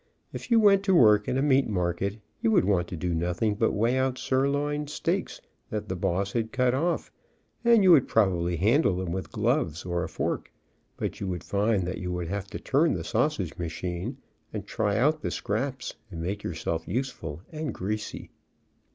If you went to work in a meat market, you would want to do nothing but weigh out sirloin steaks that the boss had 204 LEARNING AN EASY TRADE cut off, and you would probably handle them with gloves, or a fork, but you would find that you would have to turn the sausage machine, and try out the scraps and make yourself useful and greasy.